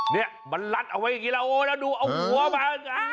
เนี่ยมันลัดเอาไว้กี่ละโอ้ยแล้วดูเอาหัวมา